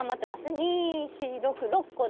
２４６６個で。